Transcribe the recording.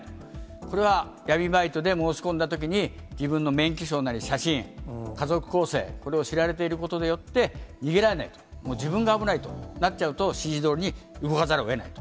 これは闇バイトで申し込んだときに、自分の免許証なり写真、家族構成、これを知られていることによって逃げられないと、自分が危ないとなっちゃうと、指示どおりに動かざるをえないと。